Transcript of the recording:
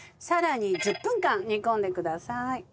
さらに１０分間煮込んでください。